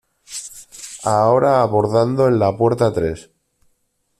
Ahora abordando en la puerta tres.